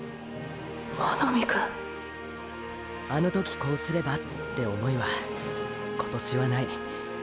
真波くんあの時こうすれば――って思いは今年はない。